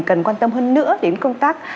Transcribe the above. cần quan tâm hơn nữa đến công tác